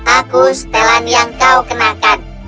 aku setelan yang kau kenakan